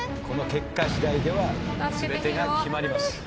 この結果次第では全てが決まります。